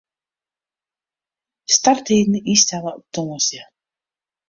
Starttiid ynstelle op tongersdei.